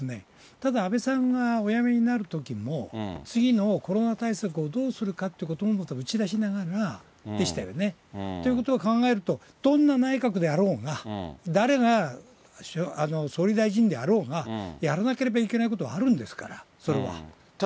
ただ安倍さんがお辞めになるときも、次のコロナ対策をどうするかってことも打ち出しながらでしたよね、ということを考えると、どんな内閣であろうが、誰が総理大臣であろうが、やらなければいけないことはあるんですから、それは。